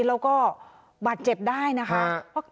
แล้วก็บาดเจ็บได้นะคะ